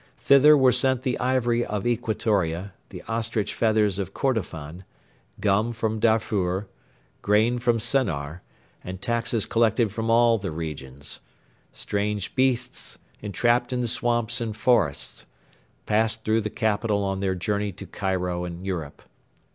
Thither were sent the ivory of Equatoria, the ostrich feathers of Kordofan, gum from Darfur, grain from Sennar, and taxes collected from all the regions. Strange beasts, entrapped in the swamps and forests, passed through the capital on their journey to Cairo and Europe.